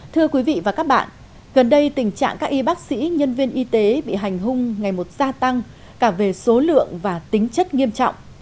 thưa quý vị và các bạn gần đây tình trạng các y bác sĩ nhân viên y tế bị hành hung ngày một gia tăng cả về số lượng và tính chất nghiêm trọng